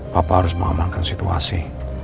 papa harus mengamankan situasi